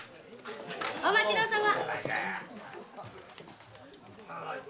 お待ちどうさま！